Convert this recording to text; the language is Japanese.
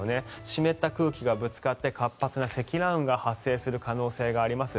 湿った空気がぶつかって活発な積乱雲が発生する可能性があります。